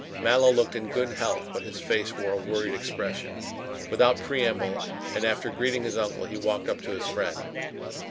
Mallow looked in good health, but his face wore a worried expression. Without preamble, and after greeting his uncle, he walked up to his friend.